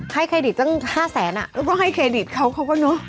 เครดิตตั้ง๕แสนอ่ะแล้วก็ให้เครดิตเขาเขาก็เนอะ